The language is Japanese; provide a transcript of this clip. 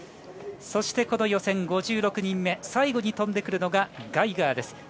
そして予選５６人目、最後に飛んでくるのがガイガーです。